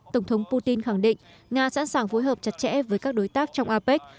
tổng thống putin khẳng định nga sẵn sàng phối hợp chặt chẽ với các đối tác trong apec